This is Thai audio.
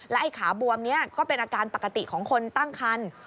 ไอ้ขาบวมนี้ก็เป็นอาการปกติของคนตั้งคัน